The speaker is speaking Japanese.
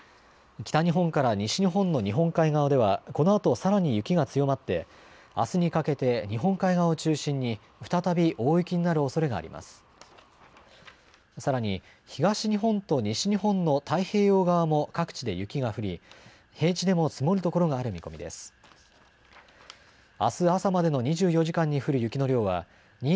北日本から西日本の日本海側ではこのあとさらに雪が強まってあすにかけて日本海側を中心に再び大雪になるおそれがあります。